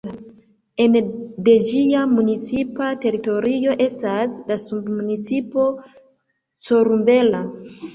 Ene de ĝia municipa teritorio estas la submunicipo Corumbela.